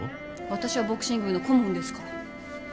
私はボクシング部の顧問ですから。